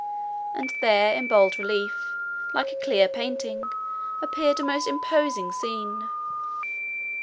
And there in bold relief, like a clear painting, appeared a most imposing scene.